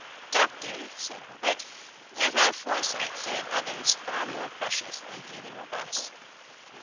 "Doctor," said Albert, "let our foresight serve others far more precious than either of us.